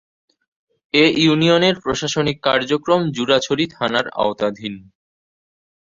এ ইউনিয়নের প্রশাসনিক কার্যক্রম জুরাছড়ি থানার আওতাধীন।